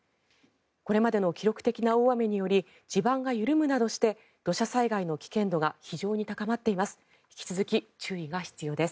これまでの記録的な大雨により地盤が緩むなどして土砂災害の危険度が非常に高まっています。